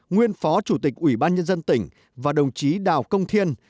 nguyên phó chủ tịch ủy ban nhân dân tỉnh và đồng chí đào công thiên